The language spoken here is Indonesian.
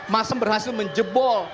masam berhasil menjebol